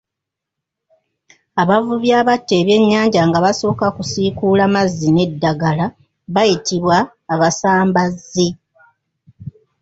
Abavubi abatta ebyennyanja nga basooka kusiikuula mazzi n’eddagala bayitibwa Abasambazzi.